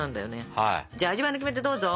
じゃあ味わいのキメテどうぞ！